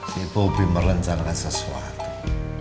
si bobby merencanakan sesuatu